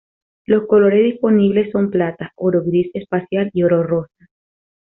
Los colores disponibles son plata, oro, gris espacial y oro rosa.